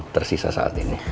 tersisa saat ini